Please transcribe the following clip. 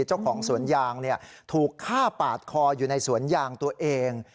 เจ้าของสวนยางถูกฆ่าปาดคออยู่ในสวนยางตัวเอง